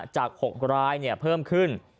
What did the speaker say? จาก๖รายเพิ่มขึ้น